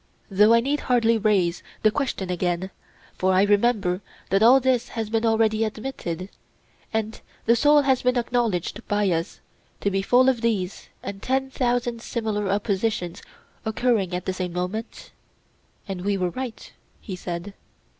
Though I need hardly raise the question again, for I remember that all this has been already admitted; and the soul has been acknowledged by us to be full of these and ten thousand similar oppositions occurring at the same moment? And we were right, he said.